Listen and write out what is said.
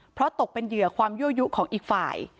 เพราะตกเป็นเหยื่อความยั่วยุของอีกฝ่าย